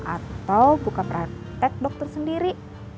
atau buka praktek dokter sendiri